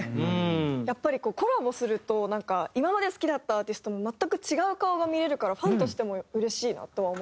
やっぱりコラボするとなんか今まで好きだったアーティストの全く違う顔が見えるからファンとしてもうれしいなとは思いましたね。